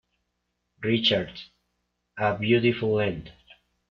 Richards, "A Beautiful End".